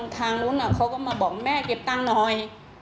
ทางนู้นเขาก็มาบอกแม่เก็บตังค์หน่อย